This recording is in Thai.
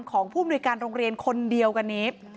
ผู้มนุยการโรงเรียนคนเดียวกันนี้